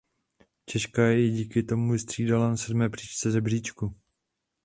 Češka ji díky tomu vystřídala na sedmé příčce žebříčku.